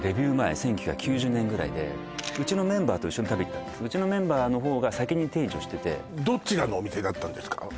１９９０年ぐらいでうちのメンバーと一緒に食べ行ったんですうちのメンバーのほうが先に天一を知っててどちらのお店だったんですか？